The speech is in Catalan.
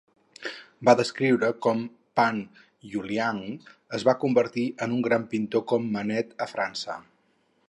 Va descriure com Pan Yuliang es va convertir en un gran pintor com Manet a França.